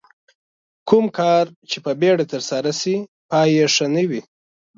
کوم کار چې په بیړه ترسره شي پای یې ښه نه وي.